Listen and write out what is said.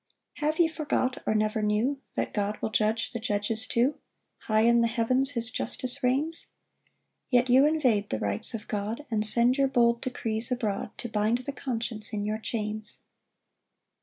2 Have ye forgot, or never knew, That God will judge the judges too? High in the heavens his justice reigns? Yet you invade the rights of God, And send your bold decrees abroad, To bind the conscience in your chains.